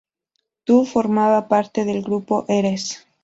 Tú formaba parte del grupo Eres.